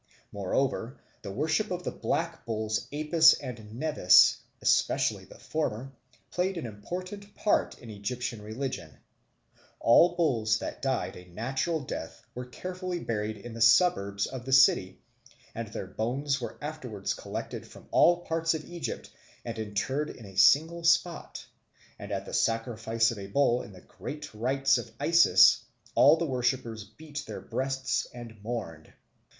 Moreover, the worship of the black bulls Apis and Mnevis, especially the former, played an important part in Egyptian religion; all bulls that died a natural death were carefully buried in the suburbs of the cities, and their bones were afterwards collected from all parts of Egypt and interred in a single spot; and at the sacrifice of a bull in the great rites of Isis all the worshippers beat their breasts and mourned.